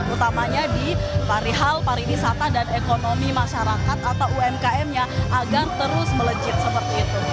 utamanya di perihal pariwisata dan ekonomi masyarakat atau umkm nya agar terus melejit seperti itu